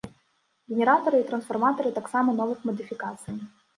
Генератары і трансфарматары таксама новых мадыфікацый.